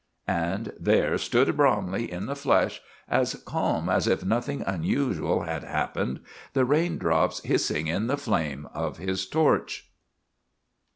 And there stood Bromley in the flesh, as calm as if nothing unusual had happened, the raindrops hissing in the flame of his torch.